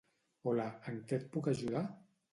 Hola, en què et puc ajudar?